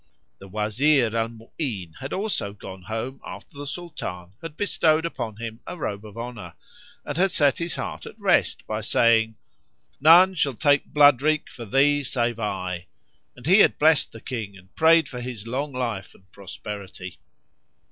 The Wazir Al Mu'ín had also gone home after the Sultan had bestowed upon him a robe of honour, and had set his heart at rest by saying, "None shall take blood wreak for thee save I;" and he had blessed the King and prayed for his long life and prosperity.